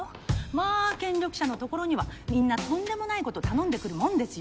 まあ権力者のところにはみんなとんでもないこと頼んでくるもんですよ。